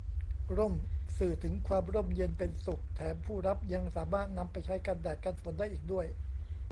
ร่ม สื่อถึงความร่มเย็นเป็นสุข แถมผู้รับยังสามารถนำไปใช้กันแดด กันฝนได้อีกด้วย